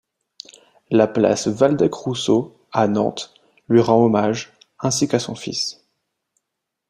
La place Waldeck-Rousseau à Nantes, lui rend hommage, ainsi qu'à son fils.